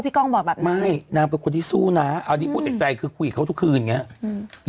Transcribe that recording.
พี่ก้องบอกแบบนี้ไม่น้ำเป็นคนที่สู้นะอันดิบต่อเด็กใจคือคุยกับเขาทุกคืนแบบนี้